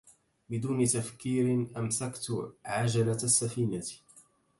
بدون تفكير أمسكت عجلة السفينة.